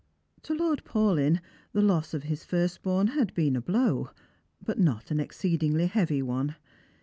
" To Lord Paulyn the loss of his first born had been a blow, but not an exceeding heavy one.